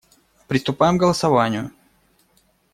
Приступаем к голосованию.